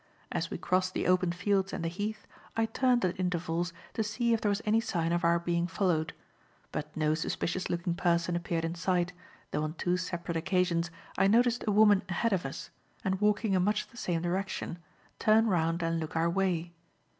As we crossed the open fields and the Heath, I turned at intervals to see if there was any sign of our being followed; but no suspicious looking person appeared in sight, though on two separate occasions, I noticed a woman ahead of us, and walking in much the same direction, turn round and look our way.